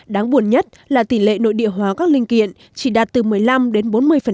đáng buồn nhất là tỷ lệ nội địa hóa các linh kiện chỉ đạt từ một mươi năm đến bốn mươi